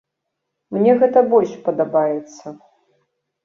Мне гэта больш падабаецца.